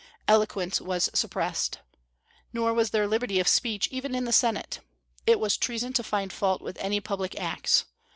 Eloquence was suppressed. Nor was there liberty of speech even in the Senate. It was treason to find fault with any public acts.